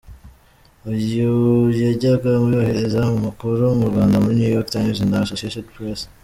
Uyu yajyaga yohereza amakuru ku Rwanda muri New York Times na Associated Press.